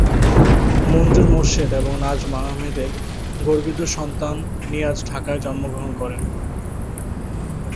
মঞ্জুর মোর্শেদ এবং নাজমা আহমেদের গর্বিত সন্তান নিয়াজ ঢাকায় জন্মগ্রহণ করেন।